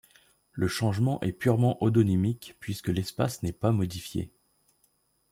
Le changement est purement odonymique puisque l'espace n'est pas modifié.